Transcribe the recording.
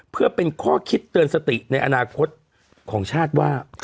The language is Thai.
เพื่อเป็นข้อคิดเตือนสติในอนาคตของชาติว่า